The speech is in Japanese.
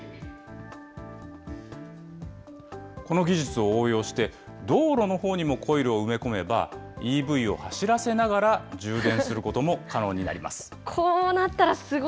この技術を応用して、道路のほうにもコイルを埋め込めば、ＥＶを走らせながら充電することも可能になります。